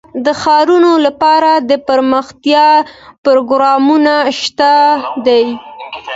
د ښارونو لپاره دپرمختیا پروګرامونه شته دي.